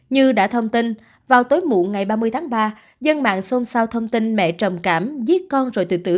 như đã thông tin vào tối muộn ngày ba mươi tháng ba dân mạng xôn xao thông tin mẹ trầm cảm giết con rồi tự tử